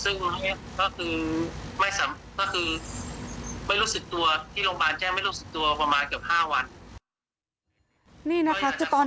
ที่โรงพณม์แจ้งไม่รู้สึกตัวประมาณเกือบ๕วัน